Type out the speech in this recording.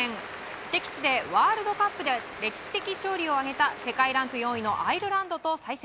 敵地で、ワールドカップで歴史的勝利を挙げた世界ランク４位のアイルランドと再戦。